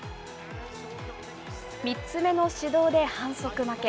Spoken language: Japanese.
３つ目の指導で反則負け。